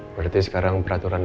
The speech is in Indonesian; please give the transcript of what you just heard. berarti sekarang peraturan itu